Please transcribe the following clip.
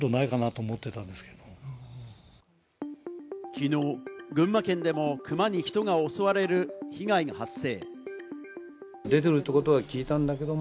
きのう、群馬県でもクマに人が襲われる被害が発生。